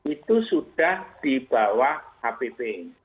itu sudah di bawah hpp